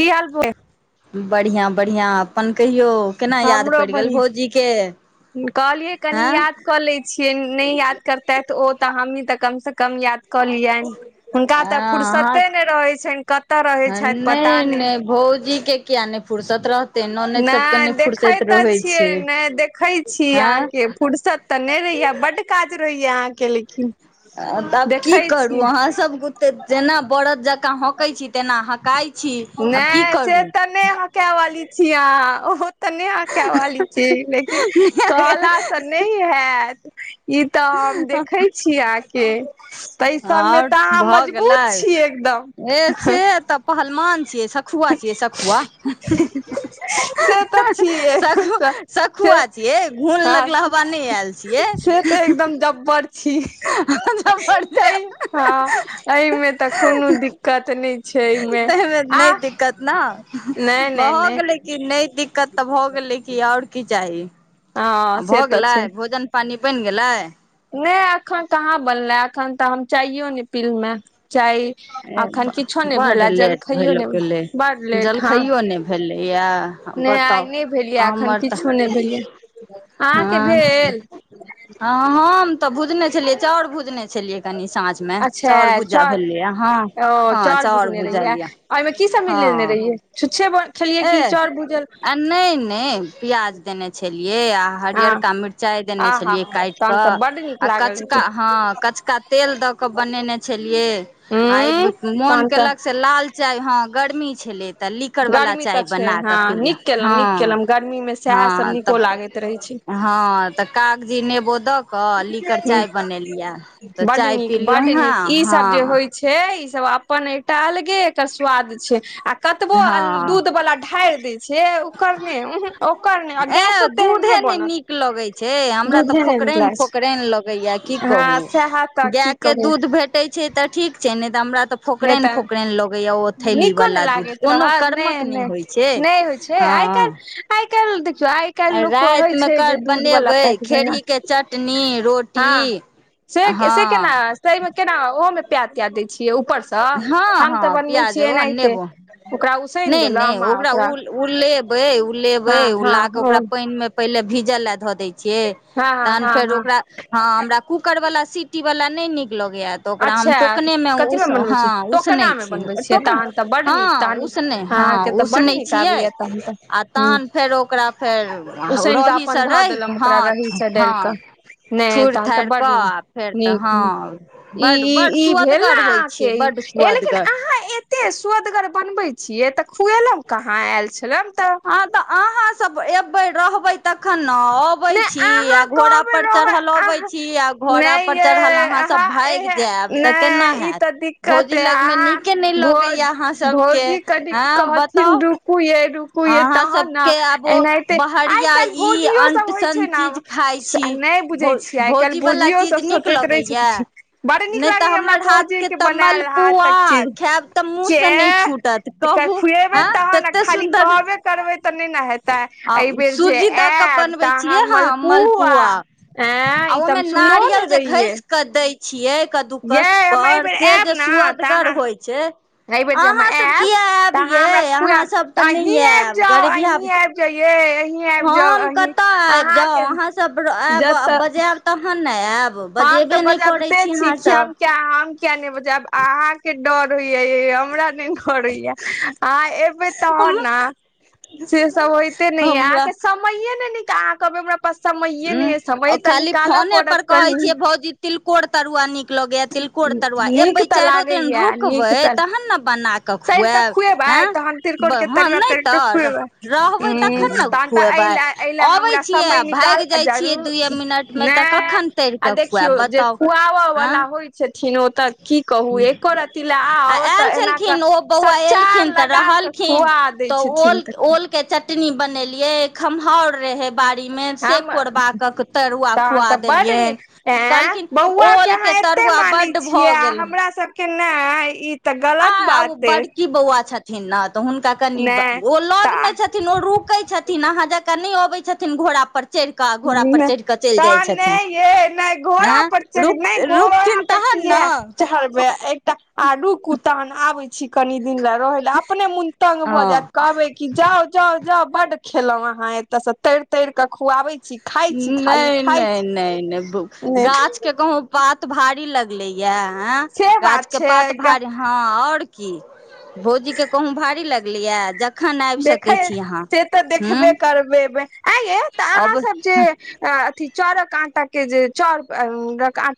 की हाल बोल बढ़ियां बढियां अपन कहियौ केना याद पड़ि गेल भौजीे केँ कहलियै कनि याद कऽ लैत छियै नहि याद करतथि ओ तऽ हमही तऽ कमसँ कम याद कऽ लियनि हुनका तऽ फुर्सते नै रहैत छै नहि नहि भौजी के किया नहि फुर्सत रहते ननैद तऽ कनि फुर्सत तऽ छियै नहि देख देखैत छी अहाँके फुर्सत तऽ नहि रहैया बड्ड काज रहैया अहाँके लेकिन त आब की करू अहाँ सब गु जेना बरद जकाँ हंकै छी तेना हंकाई नहि से तऽ नहि हंके वाली छी अहाँ ओ तऽ नहि अहाँके छी लेकिन कहला सँ नहि हैत ई तऽ हम देखैत छी अहाँ केँ आओर भऽ गेलै ए सेहे तऽ पहलमान छियै सखुआ छियै सखुआ से तऽ छिये हँ से तऽ एकदम जा [inaudible] बड़ छी तै हँ एहिमे तऽ कोनो दिक्कत नहि छै मे आह न ह-ह भऽ गेलै कि नहि तऽ भऽ गेलै की आओर की चाही आ भऽ गेलै भोजन पानी बनि गेलै नहि एखन कहाँ बनलै एखन तऽ हम चाइयो ने पीलु मे चाय ए ब्ड बड्ड लेट भेल गेले जलखइयो नहि भेलै ये बताउ आ हमर तऽ हँ हम तऽ भुजने छलियै चाउर भुजने छलियै कनि साँझमे चाउर भुजा भेलै हँ हँ चाउर भुजलिए की सभ मिलेने रहियै छुछे बन एह आ नहि नहि प्याज देने छेलिय यै आ हरियरका मिरचाई देने छलियै काईट क आ कचका हॅं कचका तेल दऽ कऽ बनेने छेलियै आई म मोन केलक सॅं लाल चाय हँ गर्मी छले तऽ लीकड़ वला चाय बना कऽ पिलिए हँ हँ त हँ त का जी नेबो दऽ कऽ कऽ लीकर चाय बनेलिए तऽ चाय पलियन हैं हँ अपन एकटा अलगे एकटा स्वाद छै आ कतबो दूध बाला ढारि दै छिये ओकर नै उूँ हुँ ऐं दूधे नै नहि नीक लगैत छै हमरा तऽ फोकरैन फोकरैन लगेया की कहू गाय केँ दूध भेटे छै तऽ ठीक छै नहि तऽ हमरा तऽ फोकरैन फोकरैन लगैया ओ थैली वाला दूध कोनो कर्मक नहि होइ छै हँ आइ काल्हि आइ आइ काल्हि लोक कहै छै जे दूध बाला ताइक देने हँ से से केना सेमे केना ओहोमे प्याज त्याज दै छियौ उपर सँ हम तऽ बनबै छियै एनाहिते ओकरा नहि नहि ओकरा उ उलेबै उलेबै उला कऽ ओकरा पानिमे पहिले भिजेला ध दैय छीये तहन फेर ओकरा हँ हमरा कुकरवला सिटी बाला नहि नुक लगैया त ओकरा हम टोकने मे उस हँ उसनैय छी हँ टोकना हँ उसनय नय हँ उसनैय छीये आ तेहन फेर ओकरा फेर रही सँ रहि कऽ हँ हँत थुड़ि थाड़ि कऽ आ फेर तऽ हँ इ इ ई भेल न अहाँके इएह न कहलिये अहाँ एते सुअदगर बनवैत छिये छियै तऽ खुएलहुँ कहाँ आयल छलहुँ तऽ अहाँ सब एबै रहबै तखन हँ अबै छी आ घोड़ा पर चढ़ल अबै छी आ घोड़ा पर चढ़ल अहाँ सब भागि भागि जायब तऽ केना हेत भौजी लगमे नीके नहि लगैया अहाँ सभकेँ हँ ब हिन्दू कुयर [unintelligible] अहाँ सभकेँ आबो बहरिया ई अइ सन चीज खाइ छी भो भौजी वला चीज नीक लगैया नहि तऽ हमर हाथके तऽ मलपुआ खेब तऽ मुँहसँ नहि छूटत कहू हँ तत्ते सुन्दर कहबे करबै तऽ नहि न आ उ सुजी दऽ कऽ बनबै छी छियै हँ मलपुआ आ ओहिमे नारियल जे घैस कऽ दैत छियै कद्दूकस पर से जे सुअदगर होइत छै अहाँसभ किया आएब यै अहाँसभ तऽ नहि आएब गरीबहा ब आएब जाइ ए अहीं आइब जाउ अहीं अहाँ तऽ जतऽ हम तऽ बजैबते छी खियैब तऽ हम हम किया नहि बजाएब अहाँके डर य य हमरा नहि घरया अहाँ एबै तहन ने से सब होइते नहि यै अहाँके समये ने नीक अहाँ कहबै हमरा समयए नहि समय तऽ निकाल पड़त कहे छियै भौजी तिलकोर तरुआ नीक लऽगैया तिलकोर तरुआ एबै चारो दिन रुकबै तहन ने बना कऽ खुएब हं ह नहि तऽ रहबै तखन ने खुएबै अबै छी किया भा भागि जाइ छियै दूए मिनट मे तऽ कखन तरि कऽ खुआब बताउ हँ आ आयल छलखिन ओ बौआ एलखिन तऽ रहलखि खिन तऽ ओ ओल के चटनी बनेलियै खमहाउर रहय बाड़ीमे से कोरबा कऽ तरुआ खुआ देलियन कहलखिन ओल क तरुआ बड्ड छियै आ हमरा सबके ने ई आ आ बड़की बौआ छथि ने तऽ हुनका कनि ओ लगमे छथिन ओ रुकै छथिन अहाँ जकाँ नहि ओ अबै छथिन घोड़ा पर तहन नहि यै नहि घोड़ा पर चढि नहि घोड़ा पर चहरवै एकटा आ रुकु तहन आबै छी कनी दिन ल रहय लै अपने मन तंग भऽ जायत कहबे क जाउ जाउ जाउ बड्ड खेलौ अहाँ एते से तर तर के खुआबे छी नहि नहि नहि नहि गाछ के कहूं पात भारी लग ले यै गाछ के पात भारी हा आओर की भौजीके कहूँ भारी लगलैए ज देखै से तऽ देखबे करवे येबै आइ ये तऽ अहाँ सब जे अथि चौरक आटा के जे चौर क आटा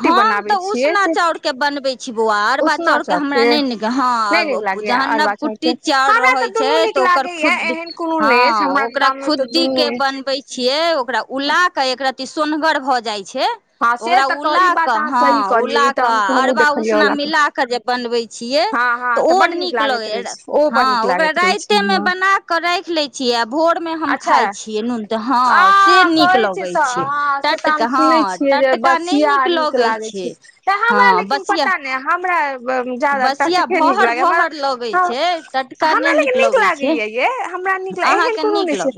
हम तऽ उसना चाउर के बनबै छी बौआ अरबा चाउरके हमरा नहि नीक हँ जहन नव कुट्टी चाउर रहैत छै तऽ ओकर खुद्दी ह ओकरा खुद्दी के बनबै छियै ओकरा उला क एक रति सोनगर भऽ जाइ छै ओकरा उला के ह उला के अरबा उसना मिला के जे बनबै छियै तऽ ओ नीक लग हँ ओकरा राति मे बना कऽ राखि लै छियै भोर मे हम खाय छियै नून तऽ हं से नीक लगे छै टटका ह टटका नहि ई है नीक लागे छै हमरा लेकिन पता नहि हमरा जादा टटके निक लागैयै हमरा ह हमरा लेकिन नीक लागै यै ये हमरा नीक लागे एहे कोनो नहि छै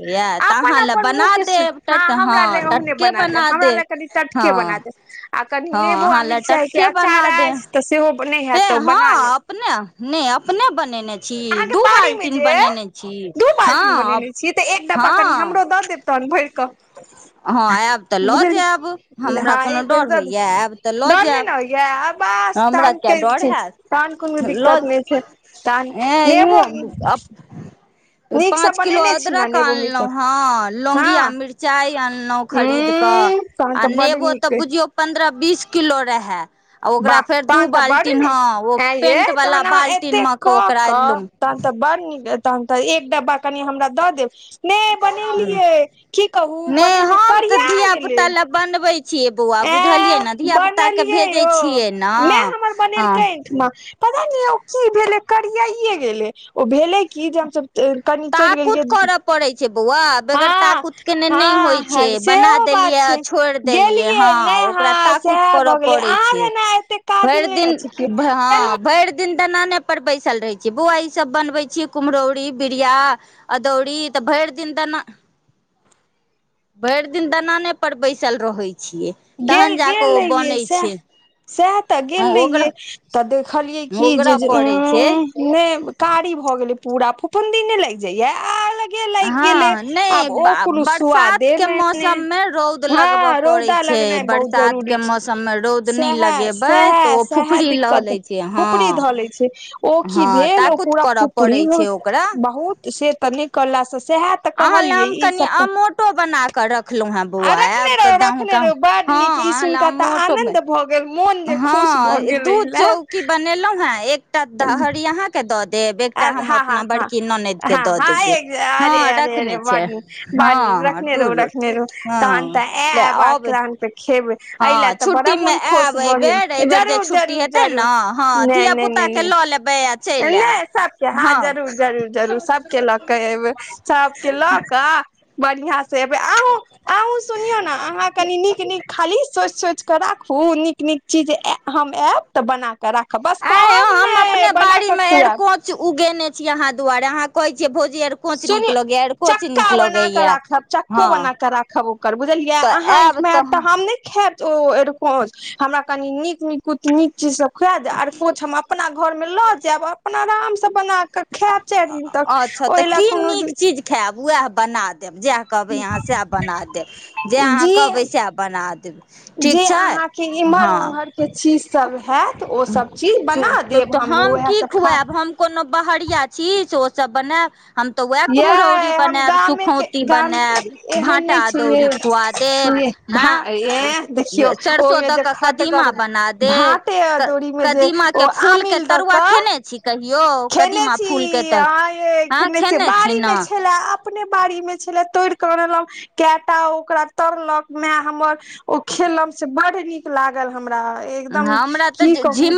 अपन अपन मुह के से ह हमरा ले ओहने बना देब हमरा ले कनि टटके के बना देब आ कनि नेबो आ मिरचाई के अचार अछि तऽ सेहो नहि हैत तऽ बना लेब अपने ने अपने बनेने छी दू बाल्टीन बनेने छी हँ हँ भरि कऽ बुझय हइ फेर तऽ डर नै ने होइ यै आ बस तहन तऽ कियै डर हैत लऽ ऐं अप पाँच किलो अदरक आनलहु हँ लौगिया मिरचाई अनलहुँ खरीद कऽ आ नेबो तऽ बुझियौ पंद्रह बीस किलो रहय आ ओकरा फेर दू बाल्टी ऐ ए तहन अहाँ एते कऽ क तहन तऽ बड निक तहन तऽ एक डब्बा कनि हमरा दऽ देब नहि बनेलियै की कहू बनेलियै करिया गेलै बनबै छियै बौआ बुझलियै ने धिया पुताके भेजय छियै ने ह यौ की भेलै करियए गेलै ओ भेलै की जे हमसब कनि चलि गेलियै बौआ बेगर ताकूत के ने नहि होइ छै बना देलियै आ छोड़ि देलियै हँं ओकरा ताकुत करय परे छै भरि दिन ह भरि दिन दलाने पर बैसल रहे छियै बौआ ई सब बनबै छियै कुम्हरौरी बि दिया अदौड़ी तऽ भरि दिन त न भरि दिन दनाने पर बैसल रहैत छियै तहन जा कऽ ओ बनै छै सएह तऽ गेल रहियै तऽ देखलियै की जे उ नै कारी भऽ गेले पूरा फूफूनदी नहि लगि जाइया आ के लागि गेलय आब ओ कोनो स्वादे मेने ह रौद लगनाई बहुत जरूरी छै सैहे सैहे सैहे दिक्कत फुफ धऽ ले छै ओ की भेल ओ पूरा पुपरी मु बहुत से तऽ नहि क अहाँ लऽ हम कनि अमोटो बना कऽ रखलौ हाँ बौआ एब तऽ दाहो काहो ह अहाँ ले अमटो हँ दू चौकी बनेलहुं हे एकटा दहरि अहाँके दऽ देब एकटा हम अपना बड़की नन्दके दऽ देबै ह रखने छियै ह ह ह धुर लऽ अब ह छुट्टी मे एब एहिबर एहिबेर जे छुट्टी हेतै ने ह धियापुताके लऽ लेबै आ चलि ऐब सबके हाँ जरूर जरूर जरूर सबके लऽ क एबै सबके लऽ कऽ बढ़ियां से एबै आंहु आंहु सुनीयो ने अहाँ कनि नीक नीक खाली सोचि सोचि कऽ राखू हूँ नीक नीक चीज हम एब तऽ बना बना के राखब बस कहब ने बनाके खुयेब उगेने छी आहाॅं दुआरे अहाँ कहै छियै भौजी सुनीयौ चक्का बना के राखब चक्को बनाके राखब ओकर बुझलयि अहाॅं छठि मे आयब तऽ हम नहि खेब ओ अरकोच हमरा कनि नीक निकुत नीक चीज सब खुआ देब आर कुछ हम अपना घर मे लऽ जायब अपना आराम सब बना कऽ खेब चार दिन तक तऽ की नीक चीज खायब उवेह बना देब जएह कहबै अहाँ सएह बना देब जे अहाँ कहबै सएह बना देब ठीक छै अथी इम्हर उम्हर के चीज सब तऽ तऽ हम की खुआएब हम कोनो बहरिया छी से से बनैब हम तऽ वएह कुम्हरौरी बनायब सुखौती बनायब भाटा अदौरी खुआ देब आ सरसो दऽ क कदीमा बना देब कदीमा के फुल के तरुआ खेने छी कहियो कदीमा फुल के तऽ आय खे से बाड़ी मे छले अपने बाड़ी मे छले तोड़िकऽ अनलौ केटा ओकरा तरलक माय हमर ओ खेलम से बड्ड नीक लागल हमरा एकदम की कहू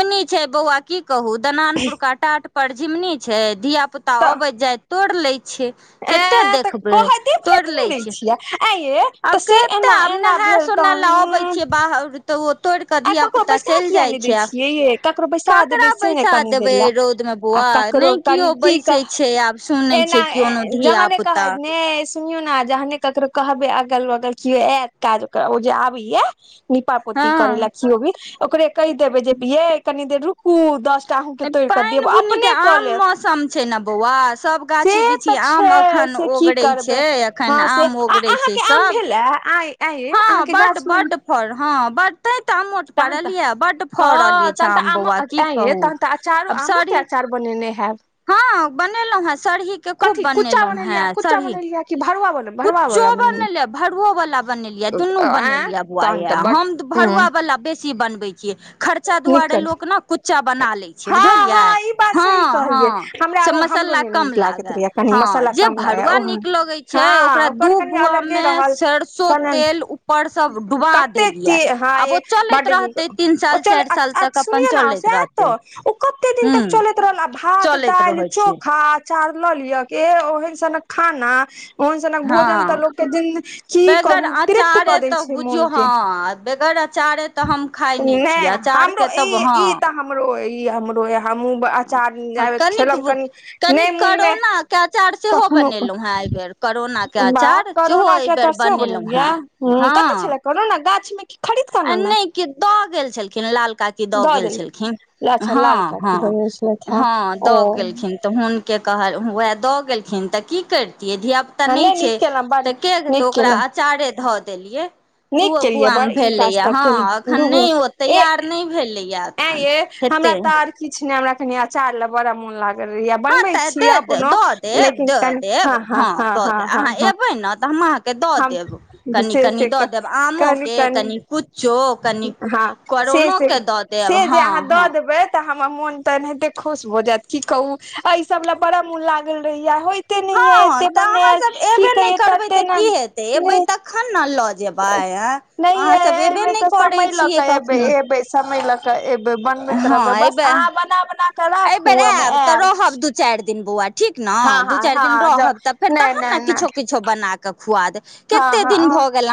कहू दनानपुर का टाट पर झिमनी छै धिया पुता अबैत जाइत तोड़ ले छै कतेक देखबै तोड़ लै छै आब केते आब नेहाय सुनायले अबै छियै बाहर आ ककरो बैसा किया नहि दै छियै ये ककरो बैसा देबै से ने कनि देरले ककरो कनी की कह एना जहाँ ने कह ने सुनियौ ने जहने ककरो कहबै अगल बगल केओ आयत काज ओकरा ओ जे आबैया निपापोति करै ले ओकरे कहि देबै ऐ कनि देर रुकू दस नहि पाइन बुनी के आम मौसम छै ने बौआ सब गाछी वृछी आम अखन ओगरै छै एखन आम ओगरै छै सब हाँ बड्ड बड्ड बड़ फड़ हाँ बड़ तैं तऽ आमोट पड़लियै ये बड्ड फड़ल अछि आम बौआ की कहू चार आमो केँ अचार बनेने हँ बनेलहुँ हें सरहीके खूब बनेलहुँ हें सरही कुच्चो बनेलियै भरुआ बला बनेलियै दुनू बनेलियै बौआ यै हम भरुआ बला बेसी बनबै छियै खर्चा दुआरे लोक ने कुच्चा बना लै छै बुझलियै हाँ हाँ से म सल्ला कम लागे हाँ जे भरुआ नीक लगै छै छै ओकरा दू बुआम मे सरसो तेल ऊपर सँ डुबा देलि ये आब ओ चलैत रहतै तीन साल साल चारि साल तक अपन चलैत रहते हूँ चलैत रहै छै चोखा अचार लऽ लिअ एह ओहेन सनक खाना ओहन सनक भोजन तऽ लोकके जिन की कहू तृप्त कऽ दैत छै मोनके नहि हमरो ई ई तऽ हमरो ई हमरो ये हमहुँ अचार जाबे केलहुँ कनि नहि मोनमे कखनो कऽ बाह करोना केँ अचार सेहो बनेलि ये कतऽ छलै करोनक गाछ आ नहि क दऽ गेल छलखिन लाल काकी दऽ गेल छलखिन हँ हँ हँ दऽ गेलखिन तऽ हुन के कहल वएह दऽ गेलखिन तऽ की कैर धिया पुता नहि छै तऽ केे खेतै ओकरा अचारे धऽ देलियै नीक केलियै बड़ ई काज त केलि दुगो ए ऐं ये हमरा तऽ आर किछु नहि हमरा कनि अचार ले बड़ा मोन लाग बनबै छीयै अपनो लेकिन कनि हँ हँ हँ हँ हँ ह हम से से कनि कनी हँ से से से जे अहाँ दऽ देबै तऽ हमर मोन तऽ एनाहिते खुश भऽ जाएत की कहू एहि सब ले बड़ा मन लागल रहैय होय एते नहि एते बनायल की कहि तऽ की हेतै एबे तखन ने लऽ नहि यै एहिबर तऽ समय लऽ कऽ एबै एबै समय लऽ कऽ एबै रहबै बस अहाँ बना बना कऽ एहि बेर आएब तऽ रहब दू चारि दिन बौआ ठीक न दू चारि दिन रहब तऽ फेर तहन ने किछो किछो बनाकऽ खुआ देब केते दिन भऽ गेल